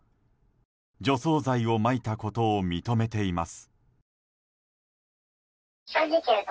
除草剤をまいたことを認めています。